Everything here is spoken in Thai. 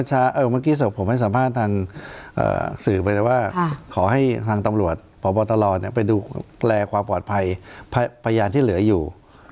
ให้ทางตำรวจพบตลอดไปดูแปลความปลอดภัยพยานที่เหลืออยู่